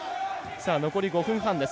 残り５分半です。